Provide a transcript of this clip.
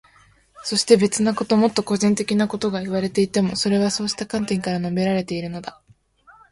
そして、別なこと、もっと個人的なことがいわれていても、それはそうした観点から述べられているのだ。